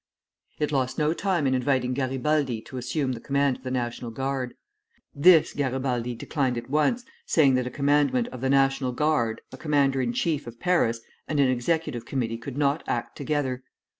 It lost no time in inviting Garibaldi to assume the command of the National Guard. This Garibaldi declined at once, saying that a commandant of the National Guard, a commander in chief of Paris, and an executive committee could not act together.